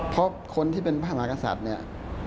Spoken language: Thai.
เพราะคนที่เป็นพระมหากษัตริย์เนี่ย